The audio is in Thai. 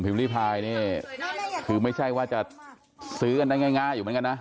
รีพายนี่คือไม่ใช่ว่าจะซื้อกันได้ง่ายอยู่เหมือนกันนะ